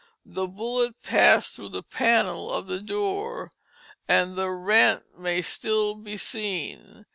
The bullet passed through the panel of the door, and the rent may still be seen.